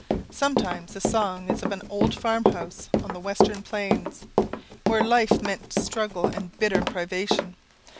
Sometimes the song is of an old farmhouse on the western plains, where life meant struggle and bitter privation.